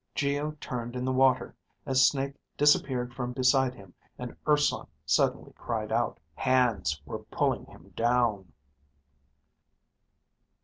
Geo turned in the water as Snake disappeared from beside him and Urson suddenly cried out. Hands were pulling him down.